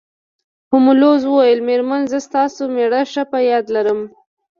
هولمز وویل میرمن زه ستاسو میړه ښه په یاد لرم